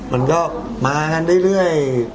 มันก็มากันเรื่อย